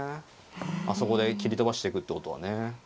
あそこで切り飛ばしていくってことはね。